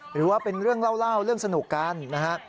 หรือว่าเป็นเรื่องเล่าเรื่องสนุกกันนะฮะ